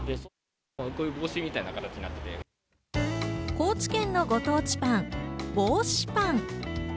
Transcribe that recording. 高知県のご当地パン、ぼうしパン。